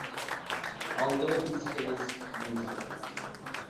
যদিও তিনি নিজে নিরপেক্ষ থাকেন।